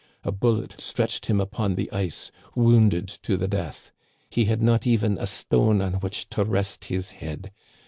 A bullet stretched him upon the ice, wounded to the death. He had not even a stone on which to rest his head.